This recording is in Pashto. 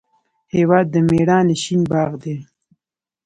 هېواد د میړانې شین باغ دی.